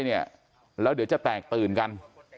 เนี่ยแล้วเดี๋ยวจะแตกตื่นกัน